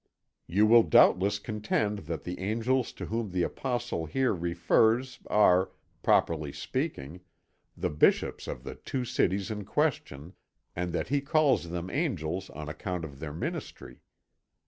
You will doubtless contend that the angels to whom the Apostle here refers are, properly speaking, the Bishops of the two cities in question, and that he calls them angels on account of their ministry.